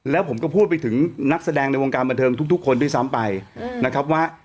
แล้วผมก็พูดไปถึงนักแสดงในวงการบันเทิงทุกคนด้วยซ้ำไปนะครับว่า